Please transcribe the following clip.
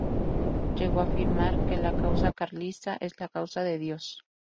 Llegó a afirmar que "la causa carlista es la Causa de Dios.